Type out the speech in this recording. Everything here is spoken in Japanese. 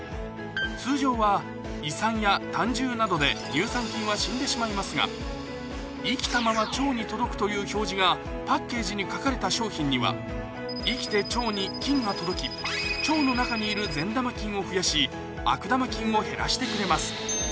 通常は胃酸や胆汁などで乳酸菌は死んでしまいますが「生きたまま腸に届く」という表示がパッケージに書かれた商品には生きて腸に菌が届き腸の中にいる善玉菌を増やし悪玉菌を減らしてくれます